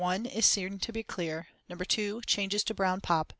1, is seen to be clear. No. 2, changes to brown pop.